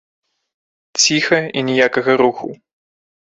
Ціха, і ніякага руху.